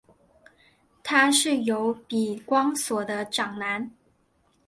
他是由比光索的长男。